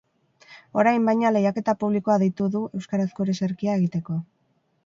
Orain, baina, lehiaketa publikoa deitu du euskarazko ereserkia egiteko.